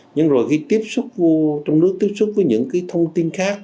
nhưng rồi khi tiếp xúc trong nước tiếp xúc với những cái thông tin khác